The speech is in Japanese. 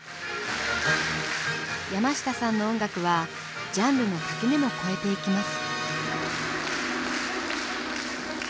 山下さんの音楽はジャンルの垣根も越えていきます。